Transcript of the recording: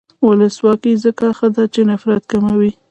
ولسواکي ځکه ښه ده چې نفرت کموي.